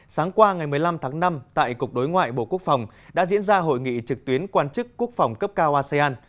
sáng qua ngày một mươi năm tháng năm tại cục đối ngoại bộ quốc phòng đã diễn ra hội nghị trực tuyến quan chức quốc phòng cấp cao asean